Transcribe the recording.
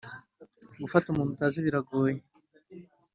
gufata umuntu utazi birgoye.